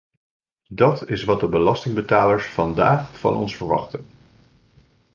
Dat is wat de belastingbetalers vandaag van ons verwachten.